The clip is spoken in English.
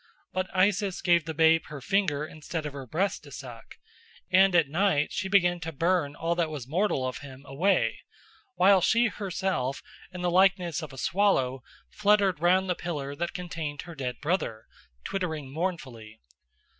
But Isis gave the babe her finger instead of her breast to suck, and at night she began to burn all that was mortal of him away, while she herself in the likeness of a swallow fluttered round the pillar that contained her dead brother, twittering mournfully.